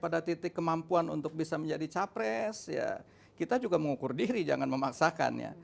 pada titik kemampuan untuk bisa menjadi capres ya kita juga mengukur diri jangan memaksakan ya